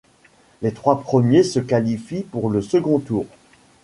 Les trois premiers se qualifient pour le second tour.